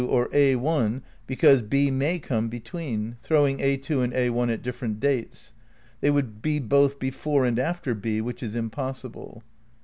or a} because B may come between, throwing a^ and a^ at different dates. They would be both before and after B, which is impossible.